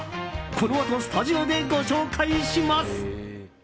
このあとスタジオでご紹介します。